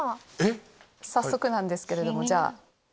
早速なんですけれども。